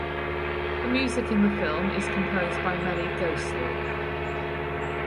The music in the film is composed by Melly Goeslaw.